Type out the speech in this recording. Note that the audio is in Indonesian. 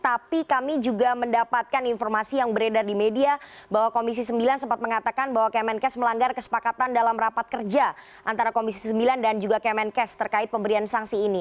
tapi kami juga mendapatkan informasi yang beredar di media bahwa komisi sembilan sempat mengatakan bahwa kemenkes melanggar kesepakatan dalam rapat kerja antara komisi sembilan dan juga kemenkes terkait pemberian sanksi ini